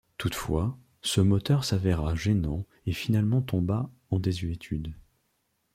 Toutefois, ce moteur s'avéra gênant et finalement tomba en désuétude.